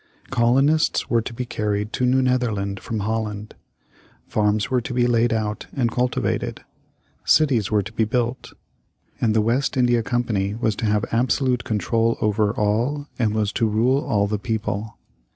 Colonists were to be carried to New Netherland from Holland; farms were to be laid out and cultivated; cities were to be built, and the West India Company was to have absolute control over all, and was to rule all the people.